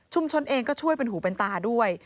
ชนเองก็ช่วยเป็นหูเป็นตาด้วย